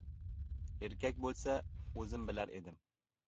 Erkak bo‘lsa — o‘zim bilar edim!